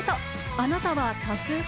あなたは多数派？